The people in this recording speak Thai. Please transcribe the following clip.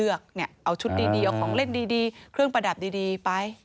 เอาชุดดีเอาของเล่นดีเครื่องประดับดีไป